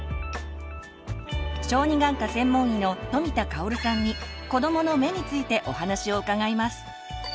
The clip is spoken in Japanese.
小児眼科専門医の富田香さんに「子どもの目」についてお話を伺います。